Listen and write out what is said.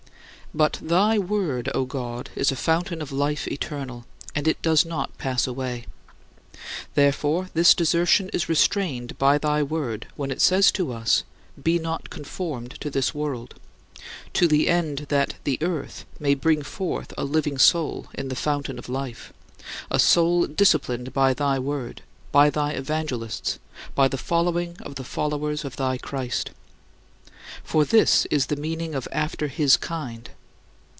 31. But thy Word, O God, is a fountain of life eternal, and it does not pass away. Therefore, this desertion is restrained by thy Word when it says to us, "Be not conformed to this world," to the end that "the earth" may bring forth a "living soul" in the fountain of life a soul disciplined by thy Word, by thy evangelists, by the following of the followers of thy Christ. For this is the meaning of "after his kind."